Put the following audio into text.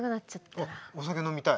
あっお酒飲みたい？